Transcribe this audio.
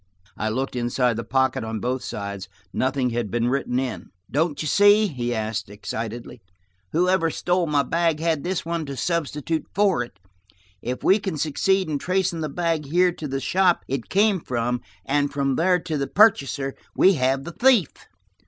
I looked inside the pockets on both sides: nothing had been written in. "Don't you see?" he asked excitedly. "Whoever stole my bag had this one to substitute for it. If we can succeed in tracing the bag here to the shop it came from, and from there to the purchaser, we have the thief."